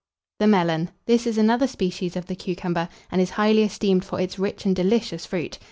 THE MELON. This is another species of the cucumber, and is highly esteemed for its rich and delicious fruit.